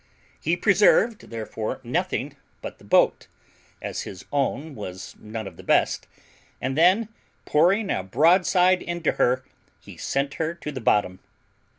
He preserved, therefore, nothing but the boat, as his own was none of the best, and then, pouring a broadside into her, he sent her to the bottom.